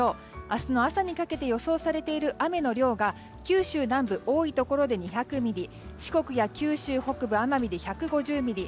明日の朝にかけて予想されている雨の量が九州南部多いところで２００ミリ四国や九州北部奄美で１５０ミリ